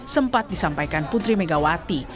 sempat disampaikan putri megawati